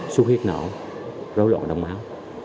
xuất huyết nổ rối loạn đông máu